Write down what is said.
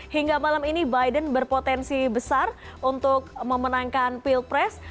hingga malam ini biden berpotensi besar untuk memenangkan pilpres